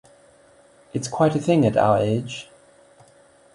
It's quite a thing at our age.